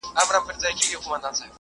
حکومت نوي روغتونونه جوړ کړي دي.